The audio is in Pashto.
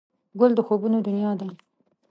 ګل د خوبونو دنیا ده.